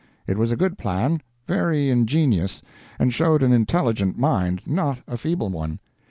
It was a good plan, very ingenious, and showed an intelligent mind, not a feeble one.